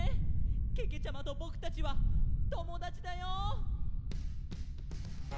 けけちゃまとぼくたちはともだちだよ！